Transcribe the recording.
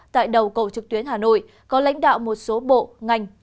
tại đầu cầu trực tuyến hà nội có lãnh đạo một số bộ ngành